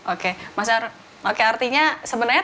oke masyarakat oke artinya sebenarnya